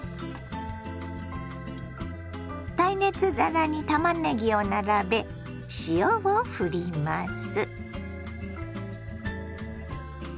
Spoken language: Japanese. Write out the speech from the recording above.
耐熱皿にたまねぎを並べ塩をふります。